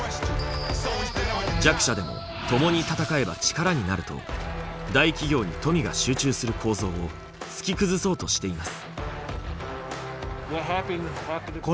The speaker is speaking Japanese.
「弱者でも共に戦えば力になる」と大企業に富が集中する構造を突き崩そうとしています。